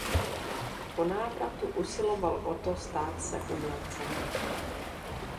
Po návratu usiloval o to stát se umělcem.